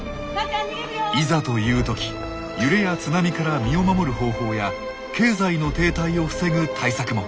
いざという時揺れや津波から身を守る方法や経済の停滞を防ぐ対策も！